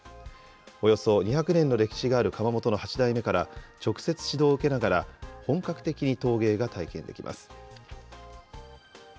およそ２００年の歴史がある窯元の８代目から直接指導を受けながら、本格的に陶芸が体験できます。